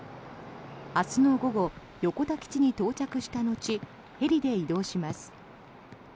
明日の午後横田基地に到着した後ヘリで移動します。